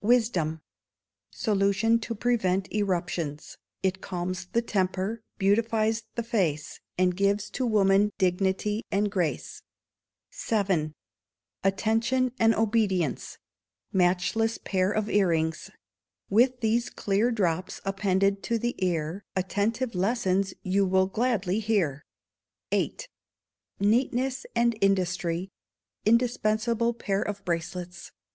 Wisdom Solution to prevent Eruptions. It calms the temper, beautifies the face, And gives to woman dignity and grace. vii. Attention and Obedience Matchless Pair of Ear rings. With these clear drops appended to the ear, Attentive lessons you will gladly hear. viii. _Neatness and Industry Indispensable Pair of Bracelets.